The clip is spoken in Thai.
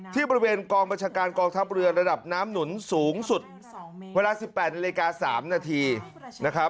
ที่บริเวณกองบัญชาการกองทัพเรือระดับน้ำหนุนสูงสุดเวลา๑๘นาฬิกา๓นาทีนะครับ